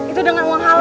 itu dengan uang halal